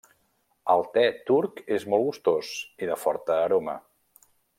El te turc és molt gustós i de forta aroma.